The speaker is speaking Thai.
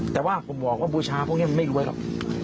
แต่ว่าผมบอกว่าบูชาพวกนี้มันไม่รวยหรอก